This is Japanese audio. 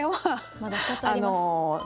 まだ２つあります。